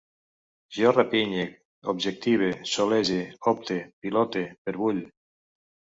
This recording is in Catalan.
Jo rapinye, objective, solege, opte, pilote, perbull